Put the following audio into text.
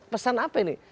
pesan apa ini